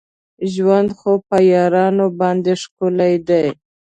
ژوند خو په یارانو باندې ښکلی دی.